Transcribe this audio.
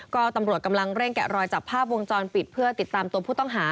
ก็ตำรวจกำลังเร่งแกะรอยจับภาพวงจรปิดเพื่อติดตามตัวผู้ต้องหา